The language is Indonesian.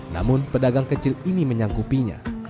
namun pedagang kecil ini menyangkupinya